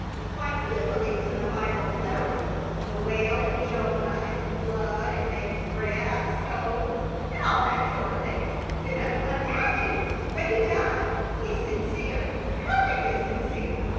Why, he believes in the Bible literally, the whale and Jonah, and the Flood, and making bread out of stones, and all that sort of thing, you know. Imagine it! But he does. He's sincere! Perfectly sincere.